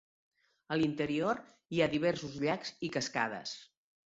A l'interior, hi ha diversos llacs i cascades.